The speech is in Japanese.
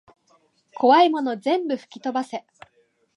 こわいもの全部ふきとばせ